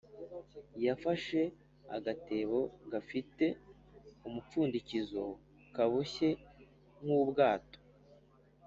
Yafashe agatebo gafite umupfundikizo kaboshye nk ubwato